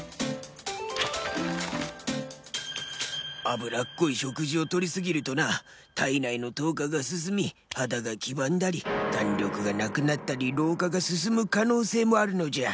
「脂っこい食事を摂り過ぎるとな体内の糖化が進み肌が黄ばんだり弾力がなくなったり老化が進む可能性もあるのじゃ。